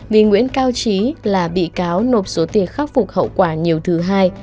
vì nguyễn cao trí là bị cáo nộp số tiền khắc phục hậu quả nhiều thứ hai